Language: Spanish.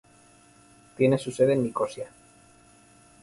Tiene su sede en Nicosia.